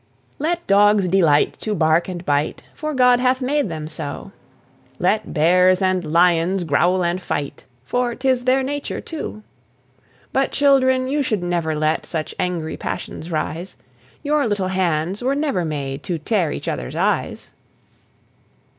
Let dogs delight to bark and bite, For God hath made them so; Let bears and lions growl and fight, For 'tis their nature too. But, children, you should never let Such angry passions rise; Your little hands were never made To tear each other's eyes.